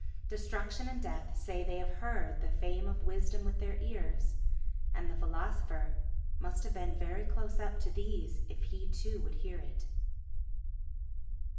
Destruction and Death say they have heard the fame of Wisdom with their ears, and the philosopher must have been close up to these if he too would hear it.